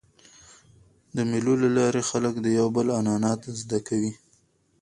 د مېلو له لاري خلک د یو بل عنعنات زده کوي.